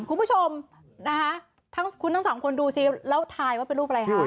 คุณผู้ชมนะคะทั้งคุณทั้งสองคนดูสิแล้วทายว่าเป็นรูปอะไรคะ